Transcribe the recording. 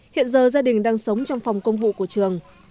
hiện giờ gia đình đang sống trong phòng công vụ của trường